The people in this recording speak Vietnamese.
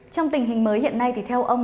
trong tình hình mới hiện nay thì theo ông